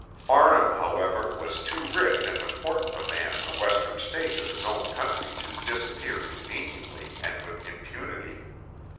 Farnham, however, was too rich and important a man in the western states of his own country to disappear conveniently and with impunity.